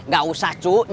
gak usah cuy